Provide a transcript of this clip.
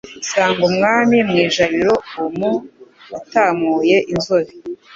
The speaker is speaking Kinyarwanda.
Nsanga Umwami mu ijabiro umu, Atamuye inzobe